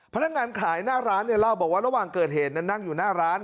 พนักงานขายหน้าร้านเนี่ยเล่าบอกว่าระหว่างเกิดเหตุนั้นนั่งอยู่หน้าร้าน